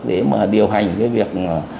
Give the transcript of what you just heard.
để mà điều hành cái việc